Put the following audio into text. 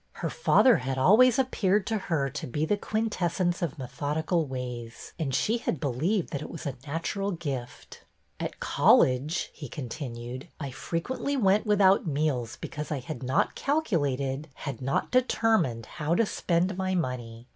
Her father had always appeared to her to be the quintessence of methodical ways, and she had believed that it was a natural gift. At college," he continued, " I frequently went without meals because I had not calculated, had not determined how to spend my money.